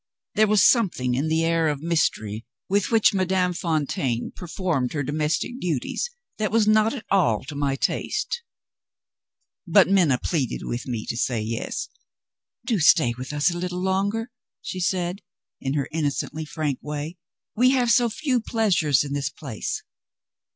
There was something in the air of mystery with which Madame Fontaine performed her domestic duties that was not at all to my taste. But Minna pleaded with me to say Yes. "Do stay with us a little longer," she said, in her innocently frank way, "we have so few pleasures in this place."